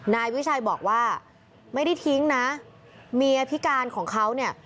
นายวิชัยบอกว่าไม่ได้ทิ้งนะเมียพิการของเขาเนี่ย